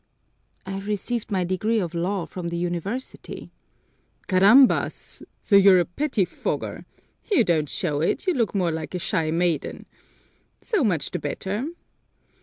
"I received my degree of law from the University." "Carambas! So you're a pettifogger! You don't show it; you look more like a shy maiden. So much the better!